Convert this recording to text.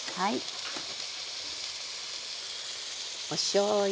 おしょうゆ。